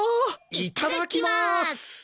いっただきます！